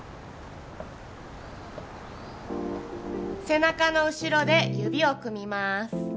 背中の後ろで指を組みます